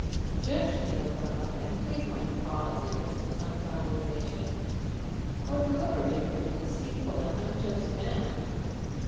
JUDGE me, O God, and plead my cause against an ungodly nation : O deliver me from the deceitful and unjust man.